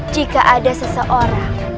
jika ada seseorang